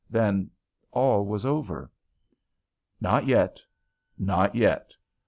Then all was over. Not yet; not yet.